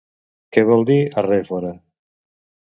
Què vol dir arrèfora?